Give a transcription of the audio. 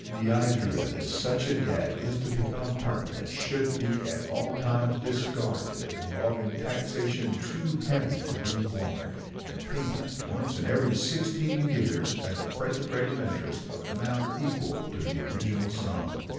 The idea that such a debt is to become permanent should be at all times discarded as involving taxation too heavy to be borne, and payment once in every sixteen years, at the present rate of interest, of an amount equal to the original sum.